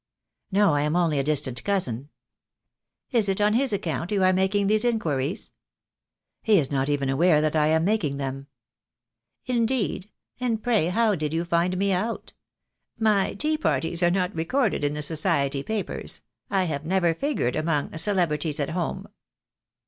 "No, I am only a distant cousin." "Is it on his account you are making these inquiries?" "He is not even aware that I am making them." "Indeed, and pray how did you find me out? My tea parties are not recorded in the Society papers, I have never figured among 'Celebrities at Home.'